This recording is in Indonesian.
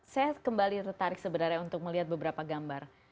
saya kembali tertarik sebenarnya untuk melihat beberapa gambar